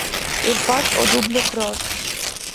Il passe aux doubles-croches...